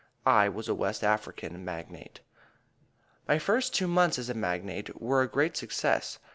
I was a West African magnate. My first two months as a magnate were a great success.